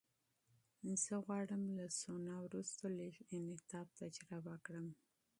زه غواړم له سونا وروسته لږ انعطاف تجربه کړم.